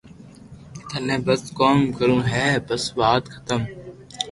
ٿني بس ڪوم ڪرو ھي بس وات ختم